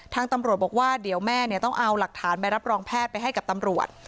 ทางตำรวจบอกว่าเดี๋ยวแม่ต้องเอาหลักฐานไปรับรองแพทย์ไปให้กับตำรวจ